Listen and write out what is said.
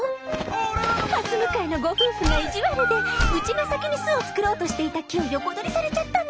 はす向かいのご夫婦が意地悪でうちが先に巣を作ろうとしていた木を横取りされちゃったの。